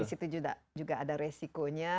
di situ juga ada resikonya